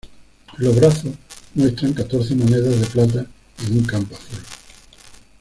Los brazos muestran catorce monedas de plata en un campo azul.